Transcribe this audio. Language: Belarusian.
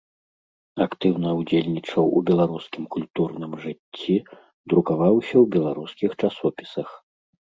Актыўна ўдзельнічаў у беларускім культурным жыцці, друкаваўся ў беларускіх часопісах.